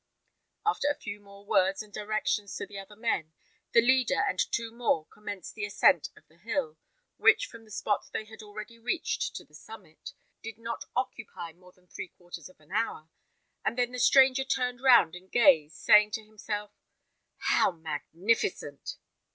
After a few more words and directions to the other men, the leader and two more commenced the ascent of the hill, which, from the spot they had already reached to the summit, did not occupy more than three quarters of an hour, and then the stranger turned round and gazed, saying to himself, "How magnificent!"